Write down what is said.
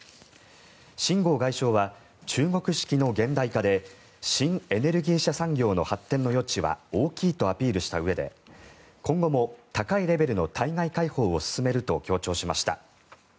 秦剛外相は中国式の現代化で新エネルギー車産業の発展は大きいとアピールしたうえで今後も高いレベルの対外開放を進めると強調しました。